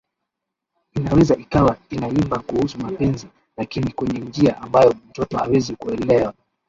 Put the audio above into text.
Inaweza ikawa inaimba kuhusu mapenzi lakini kwenye njia ambayo mtoto hawezi kuelewa